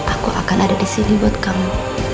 aku akan ada disini buat kamu